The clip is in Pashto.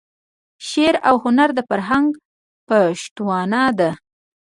شعر او هنر د فرهنګ پشتوانه ده.